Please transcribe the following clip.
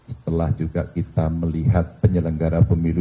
setelah juga kita melihat penyelenggara pemilu